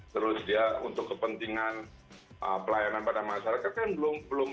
terus dia untuk kepentingan pelayanan pada masyarakat kan belum